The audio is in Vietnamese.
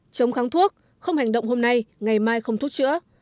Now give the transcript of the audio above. chống kháng thuốc không hành động hôm nay ngày mai không thuốc chữa